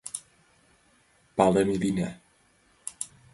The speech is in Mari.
Палыме лийына.